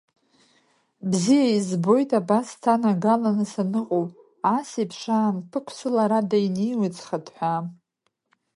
Бзиа избоит абас сҭанагаланы саныҟоу, асеиԥш аан ԥықәсыларада инеиуеит схыҭҳәаа…